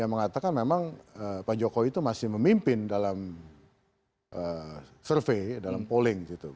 yang mengatakan memang pak jokowi itu masih memimpin dalam survei dalam polling gitu